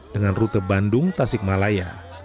dengan rute bandung tasikmalaya